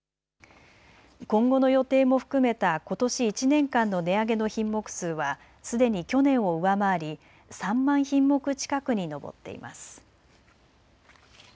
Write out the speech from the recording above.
今後の予定も含めたことし１年間の値上げの品目数はすでに去年を上回り３万品目近くに上っています。